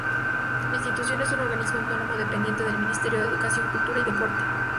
La institución es un organismo autónomo dependiente del Ministerio de Educación, Cultura y Deporte.